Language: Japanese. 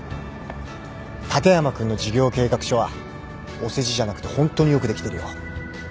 立山君の事業計画書はお世辞じゃなくてホントによくできてるよ。